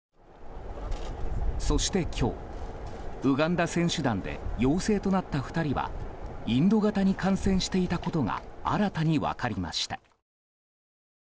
そして今日、ウガンダ選手団で陽性となった２人はインド型に感染していたことが新たに分かりました。